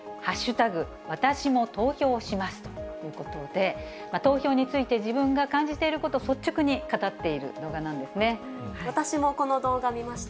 わたしも投票しますということで、投票について自分が感じていることを率直に語っている動画なんで私もこの動画見ました。